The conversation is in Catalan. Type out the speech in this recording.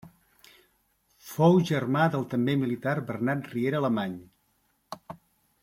Fou germà del també militar Bernat Riera Alemany.